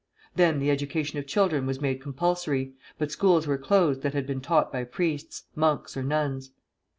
Then the education of children was made compulsory; but schools were closed that had been taught by priests, monks, or nuns.